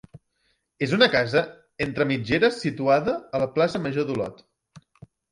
És una casa entre mitgera situada a la plaça Major d'Olot.